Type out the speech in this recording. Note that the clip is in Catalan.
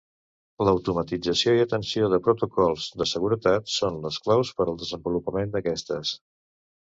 L'automatització i atenció de protocols de seguretat són les claus per al desenvolupament d'aquestes.